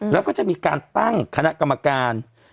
แล้วก็จะมีการตั้งคณะกรรมการ